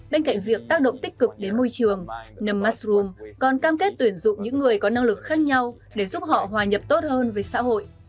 bên cạnh việc tác động tích cực đến môi trường the mastrom còn cam kết tuyển dụng những người có năng lực khác nhau để giúp họ hòa nhập tốt hơn với xã hội